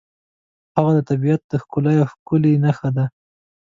هغه د طبیعت د ښکلا یوه ښکلې نښه ده.